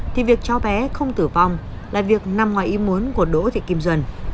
thì việc cháu bé không tử vong là việc nằm ngoài ý muốn của đỗ thị kim duân